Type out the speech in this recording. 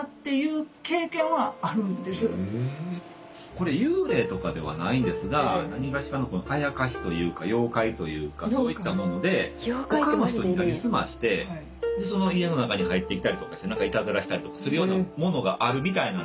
これ幽霊とかではないですが何がしかのこのあやかしというか妖怪というかそういったもので他の人になりすましてその家の中に入ってきたりとかしていたずらしたりとかするようなものがあるみたいなんですよ。